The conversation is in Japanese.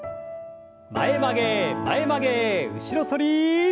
前曲げ前曲げ後ろ反り。